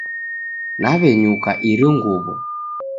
Nawenyuka iri nguwo